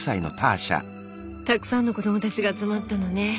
たくさんの子供たちが集まったのね。